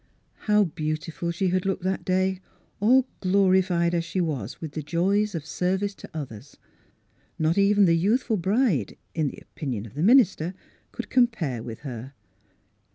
How beautiful she had looked that day, all glorified as she was with the joys of service to others. Not even the youthful bride (in the opin ion of the minister) could compare with her.